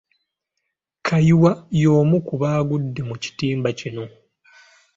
Kayiwa y’omu ku baagudde mu kitimba kino.